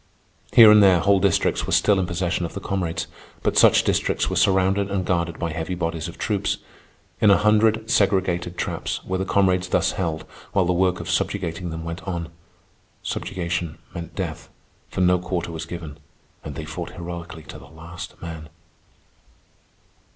Here and there whole districts were still in possession of the comrades, but such districts were surrounded and guarded by heavy bodies of troops. In a hundred segregated traps were the comrades thus held while the work of subjugating them went on. Subjugation meant death, for no quarter was given, and they fought heroically to the last man.